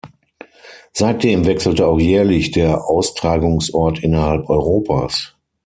Seitdem wechselte auch jährlich der Austragungsort innerhalb Europas.